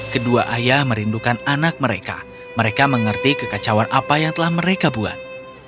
kedua ayah merindukan anak mereka mereka mengerti kekacauan apa yang telah mereka buat